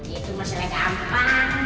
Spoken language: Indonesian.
jadi masih gampang